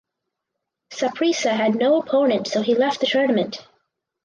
Saprissa had no opponent so he left the tournament.